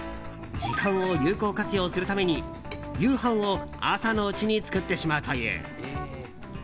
時間を有効活用するために夕飯を朝のうちに作ってしまうという。